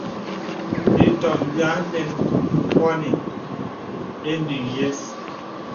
Ìtòm bì ànɛn bpɔnì ìyìŋ yə̀s.